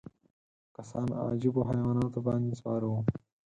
کسان عجیبو حیواناتو باندې سپاره وو.